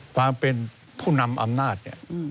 ความเป็นผู้นำอำนาจ